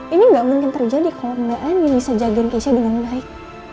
ini gak mungkin terjadi kalau mbak anin bisa jagain keisha dengan baik